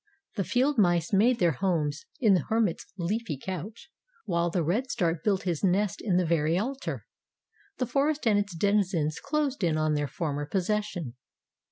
The field mice made their homes in the hermit's leafy couch, while the red start built his nest in the very altar. The forest and its denizens closed in on their former possession.